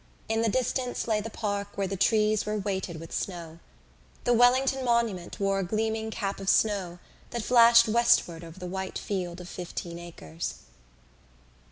In the distance lay the park where the trees were weighted with snow. The Wellington Monument wore a gleaming cap of snow that flashed westward over the white field of Fifteen Acres.